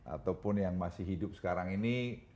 ataupun yang masih hidup sekarang ini